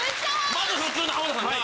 まず普通の浜田さんが。